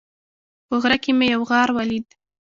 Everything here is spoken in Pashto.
په غره کې مې یو غار ولید